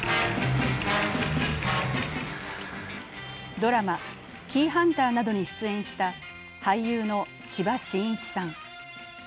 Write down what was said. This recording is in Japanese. ドラマ「キイハンター」などに出演した俳優の千葉真一さん。